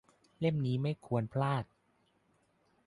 - เล่มนี้ไม่ควรพลาด